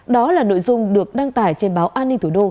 đó là nội dung được đăng tải trên báo an ninh thủ đô